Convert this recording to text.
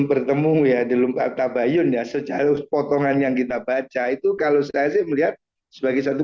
bertemu ya di luka tabayun ya sejauh potongan yang kita baca itu kalau saya sih melihat sebagai satu